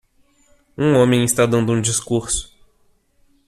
Um homem está dando um discurso